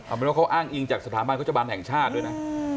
เอาเป็นว่าเขาอ้างอิงจากสถาบันโฆษบันแห่งชาติด้วยนะ